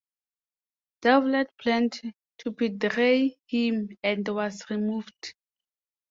Devlet planned to betray him and was removed.